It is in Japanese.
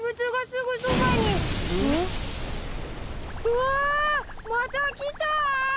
うわ！また来た！！